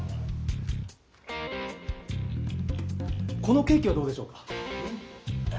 このケーキはどうでしょうか？